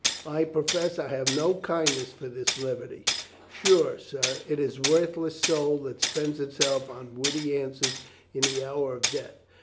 "I profess I have no kindness for this levity. Sure, sir, it is a worthless soul that spends itself on witty answers in the hour of death."